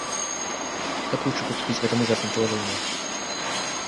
Как лучше поступить в этом ужасном положении?